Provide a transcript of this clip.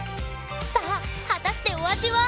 さあ果たしてお味は⁉